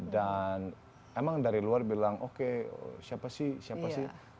dan emang dari luar bilang oke siapa sih siapa sih